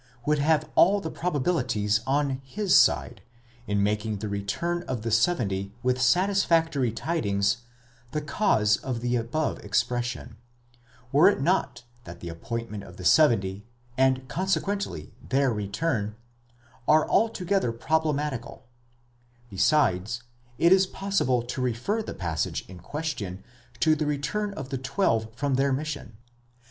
would have all the probabilities on his side, in making the return of the seventy with satis factory tidings the cause of the above expression; were it not that the appointment of the seventy, and consequently their return, are altogether problematical ; besides, it is possible to refer the passage in question to the return of the twelve from their mission.